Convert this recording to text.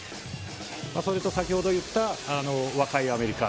それと先ほど言った若いアメリカ。